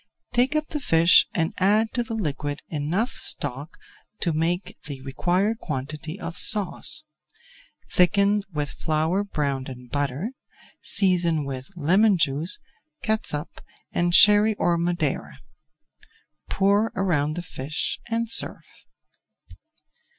Take up the fish and add to the liquid enough stock to make the required quantity of sauce. Thicken with flour browned in butter, season with lemon juice, catsup, and Sherry or Madeira. Pour around the fish and serve.